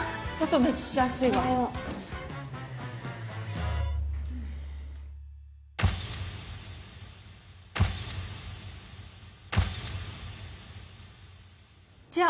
めっちゃ暑いわおはようじゃあ